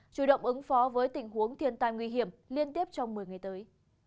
chủ động ứng phó với tình huống thiên tai nguy hiểm liên tiếp trong một mươi ngày tới